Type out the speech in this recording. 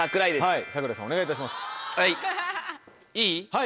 はい。